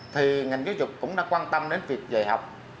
thì ngành giáo dục cũng đã quan tâm đến việc dạy học